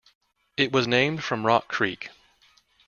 It was named from Rock Creek.